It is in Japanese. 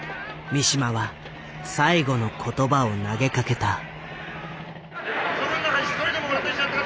三島は最後の言葉を投げかけた。